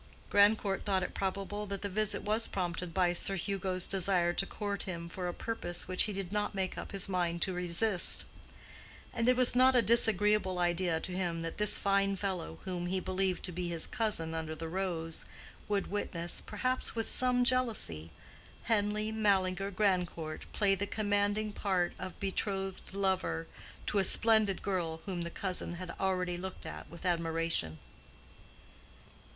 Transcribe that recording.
Grandcourt thought it probable that the visit was prompted by Sir Hugo's desire to court him for a purpose which he did not make up his mind to resist; and it was not a disagreeable idea to him that this fine fellow, whom he believed to be his cousin under the rose, would witness, perhaps with some jealousy, Henleigh Mallinger Grandcourt play the commanding part of betrothed lover to a splendid girl whom the cousin had already looked at with admiration.